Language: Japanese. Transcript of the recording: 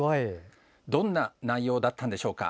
どんな内容だったんでしょうか。